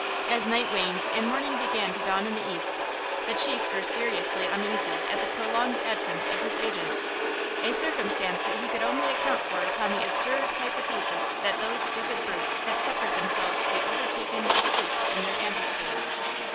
As night waned and morning began to dawn in the east, the chief grew seriously uneasy at the prolonged absence of his agents–a circumstance that he could only account for upon the absurd hypothesis that those stupid brutes had suffered themselves to be overtaken by sleep in their ambuscade.